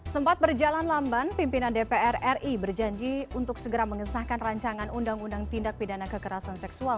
sempat berjalan lamban pimpinan dpr ri berjanji untuk segera mengesahkan rancangan undang undang tindak pidana kekerasan seksual